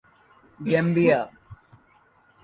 Gambia